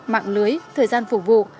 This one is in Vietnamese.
mạng lưới thời gian phục vụ